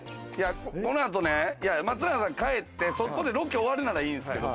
この後ね、松永さん帰って、ここでロケ終わるならいいんですけど。